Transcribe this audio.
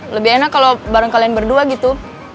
lebih enak kalau bareng kalian berdua gitu